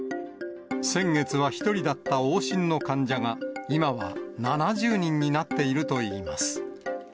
先月は１人だった往診の患者が、今は７０人になっているといいます。